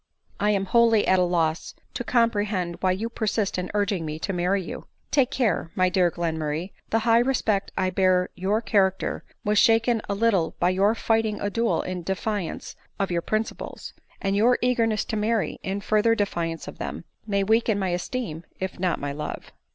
I am wholly at a loss to comprehend why you persist in urging me to marry you. Take care, my dear Glenmurray — the high respect I bear your character was shaken a little by your fighting a duel in defiance of your principles ; and your eagerness to marry, in further defiance of them, may weaken my esteem, if not my love."